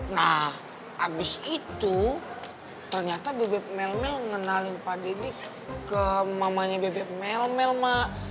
nah abis itu ternyata bebek melmel ngenalin pak daddy ke mamanya bebek melmel mah